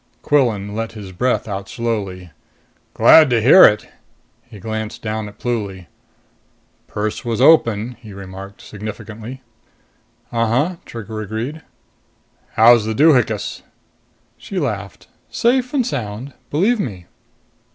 Quillan let his breath out slowly. "Glad to hear it!" He glanced down at Pluly. "Purse was open," he remarked significantly. "Uh huh," Trigger agreed. "How's the doohinkus?" She laughed. "Safe and sound! Believe me."